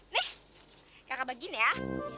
nih kakak bagiin ya